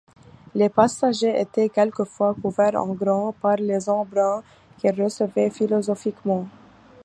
Les passagers étaient quelquefois couverts en grand par les embruns qu’ils recevaient philosophiquement.